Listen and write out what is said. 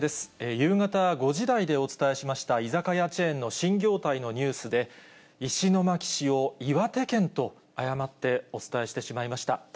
夕方５時台でお伝えしました居酒屋チェーンの新業態のニュースで、石巻市を岩手県と誤ってお伝えしてしまいました。